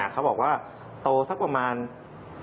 เขาบอกว่าโตสักประมาณ